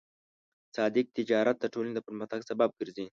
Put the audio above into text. صادق تجارت د ټولنې د پرمختګ سبب ګرځي.